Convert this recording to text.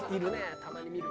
たまに見るわ。